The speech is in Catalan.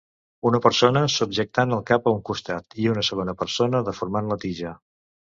Una persona subjectant el cap a un costat i una segona persona deformant la tija.